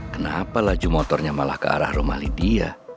kenapa laju motornya malah ke arah rumah lydia